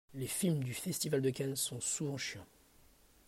Les films du festival de Cannes sont souvent chiants.